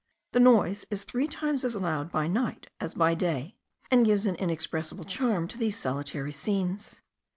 The noise is three times as loud by night as by day, and gives an inexpressible charm to these solitary scenes.